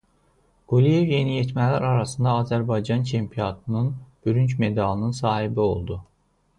Quliyev yeniyetmələr arasında Azərbaycan Çempionatının bürünc medalının sahibi oldu.